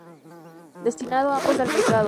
Destinados ambos al mercado.